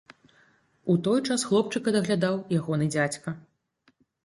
У той час хлопчыка даглядаў яго дзядзька.